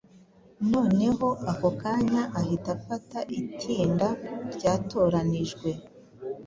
Noneho ako kanya ahita afata itinda ryatoranijwe